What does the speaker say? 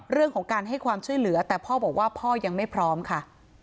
เรื่องของการให้ความช่วยเหลือแต่พ่อบอกว่าพ่อยังไม่พร้อมค่ะ